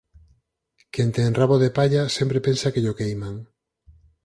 Quen ten rabo de palla sempre pensa que llo queiman